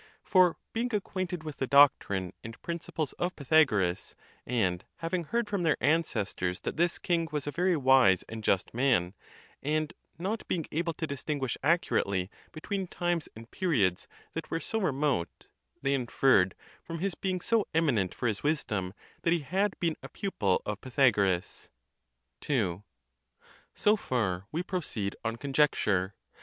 For, being acquainted with the doctrine and principles of Pythagoras, and having heard from their an cestors that this king was a very wise and just man, and not being able to distinguish accurately between times and periods that were so remote, they inferred, from his being so eminent for his wisdom, that he had been a pu pil of Pythagoras. Il. So far we proceed on conjecture.